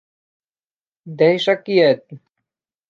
Deixa quieto.